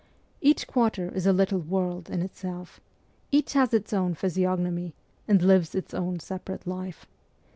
Each quarter is a little world in itself ; each has its own physiognomy, and lives its own separate life.